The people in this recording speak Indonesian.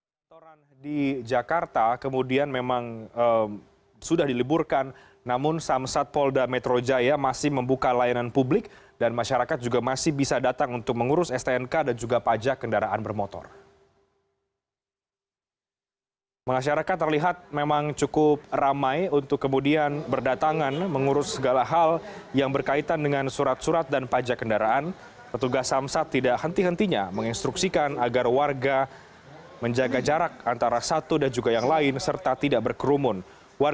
pertugas samsat di jakarta kemudian memang sudah diliburkan namun samsat polda metro jaya masih membuka layanan publik dan masyarakat juga masih bisa datang untuk mengurus stnk dan juga pajak kendaraan bermotor